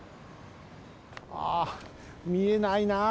あみえないなあ。